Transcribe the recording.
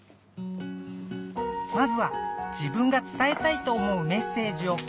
まずは自分が伝えたいと思うメッセージを書き出していくポタ。